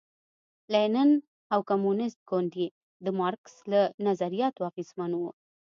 لینین او کمونېست ګوند یې د مارکس له نظریاتو اغېزمن و.